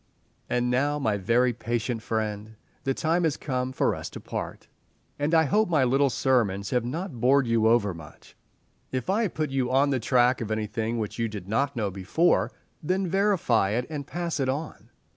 And now, my very patient friend, the time has come for us to part, and I hope my little sermons have not bored you over much. If I have put you on the track of anything which you did not know before, then verify it and pass it on.